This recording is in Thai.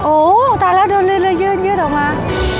โอ้ตายแล้วโดนลืดลืดยืดยืดออกมา